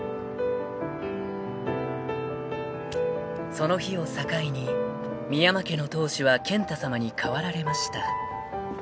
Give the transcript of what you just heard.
［その日を境に深山家の当主は健太さまに代わられました］